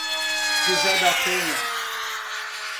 José da Penha